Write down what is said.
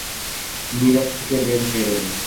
মীরা ছুটে বের হয়ে এলেন।